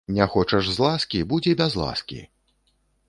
Не хочаш з ласкі, будзе без ласкі!